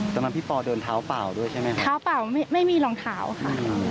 ตอนนั้นพี่ปอเดินเท้าเปล่าด้วยใช่ไหมคะเท้าเปล่าไม่มีรองเท้าค่ะ